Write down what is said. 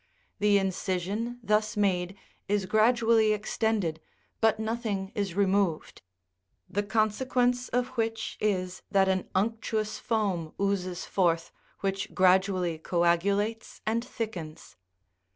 The incision thus made is gra dually extended, but nothing is removed ; the consequence of which is, that an unctuous foam oozes forth, which gradually coagulates and thickens.